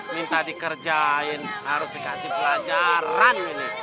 minta dikerjain harus dikasih pelajaran ini